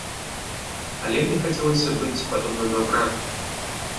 Але мне хацелася быць падобным да брата.